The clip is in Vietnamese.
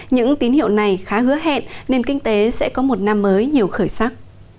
những tín hiệu này khá hứa hẹn nên kinh tế sẽ có một năm mới nhiều khởi sắc